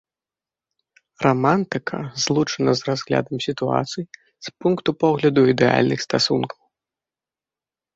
Рамантыка злучана з разглядам сітуацый з пункту погляду ідэальных стасункаў.